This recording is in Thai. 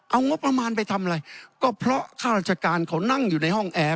เอางบประมาณไปทำอะไรก็เพราะข้าราชการเขานั่งอยู่ในห้องแอร์